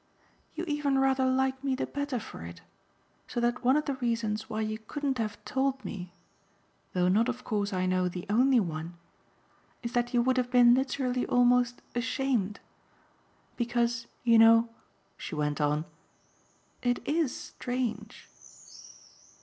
"You even rather like me the better for it; so that one of the reasons why you couldn't have told me though not of course, I know, the only one is that you would have been literally almost ashamed. Because, you know," she went on, "it IS strange."